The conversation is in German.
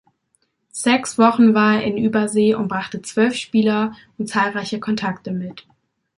Sechs Wochen war er in Übersee und brachte zwölf Spieler und zahlreiche Kontakte mit.